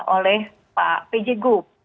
oleh pak pj gop